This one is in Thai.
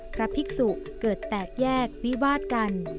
พระภิกษุเกิดแตกแยกวิวาดกัน